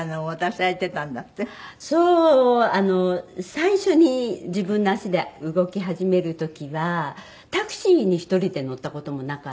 最初に自分の足で動き始める時はタクシーに１人で乗った事もなかったし。